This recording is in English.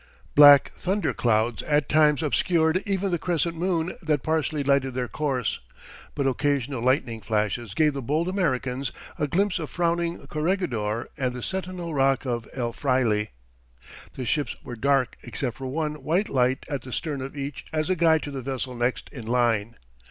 Black thunder clouds at times obscured even the crescent moon that partially lighted their course, but occasional lightning flashes gave the bold Americans a glimpse of frowning Corregidor and the sentinel rock of El Fraile. The ships were dark except for one white light at the stern of each as a guide to the vessel next in line.